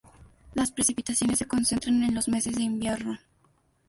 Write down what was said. Las precipitaciones se concentran en los meses de invierno.